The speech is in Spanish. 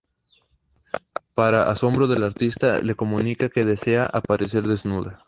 Para asombro del artista, le comunica que desea aparecer desnuda.